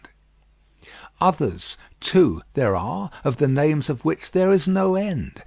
Others, too, there are, of the names of which there is no end.